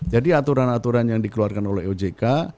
jadi aturan aturan yang dikeluarkan oleh ojk